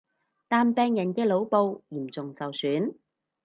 但病人嘅腦部嚴重受損